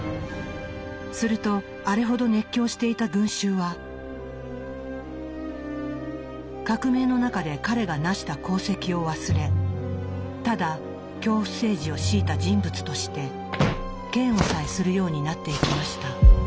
するとあれほど熱狂していた群衆は革命の中で彼がなした功績を忘れただ恐怖政治をしいた人物として嫌悪さえするようになっていきました。